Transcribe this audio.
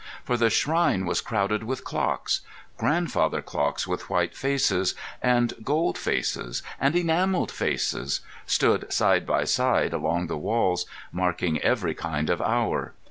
For the shrine was crowded with clocks: grandfather clocks with white faces, and gold faces, and enamelled faces, stood side by side along the walls, marking every kind of hour.